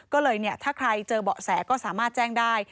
ก็เลยถ้าใครเจอเบาะแสก็สามารถแจ้งได้